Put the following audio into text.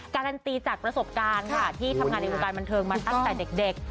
การันตีจากประสบการณ์ค่ะที่ทำงานในวงการบันเทิงมาตั้งแต่เด็ก